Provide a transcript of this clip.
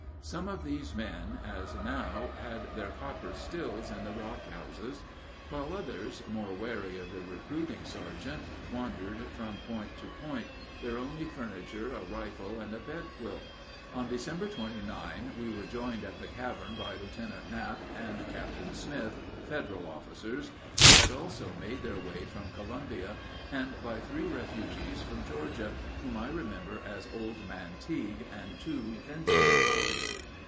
Some of these men, as now, had their copper stills in the rock houses, while others, more wary of the recruiting sergeant, wandered from point to point, their only furniture a rifle and a bed quilt. On December 29, we were joined at the cavern by Lieutenant Knapp and Captain Smith, Federal officers, who had also made their way from Columbia, and by three refugees from Georgia, whom I remember as Old Man Tigue and the two Vincent boys.